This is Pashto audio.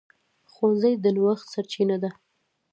ښوونځی د نوښت سرچینه ده